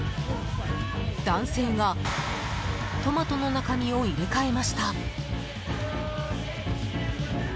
男性がトマトの中身を入れ替えました。